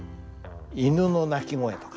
犬の鳴き声とか？